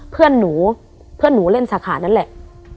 เพื่อนหนูเล่นสาขานั้นแหละ